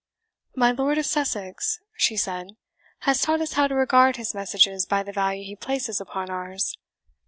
"My Lord of Sussex," she said, "has taught us how to regard his messages by the value he places upon ours.